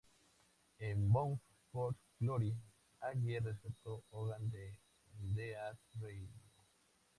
En Bound for Glory, Allie rescató Hogan del Undead Reino.